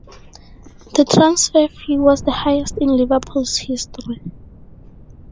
The transfer fee was the highest in Liverpool's history.